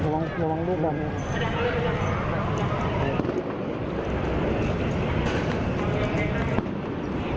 เพราะตอนนี้ก็ไม่มีเวลาให้เข้าไปที่นี่